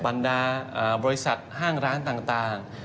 บรรดาบริษัทห้างร้านต่าง